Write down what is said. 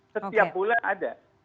setiap bulan ada